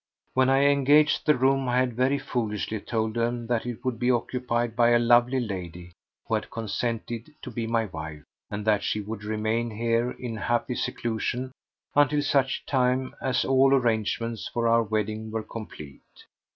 When I engaged the room I had very foolishly told them that it would be occupied by a lovely lady who had consented to be my wife, and that she would remain here in happy seclusion until such time as all arrangements for our wedding were complete.